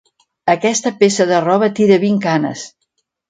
Aquesta peça de roba tira vint canes.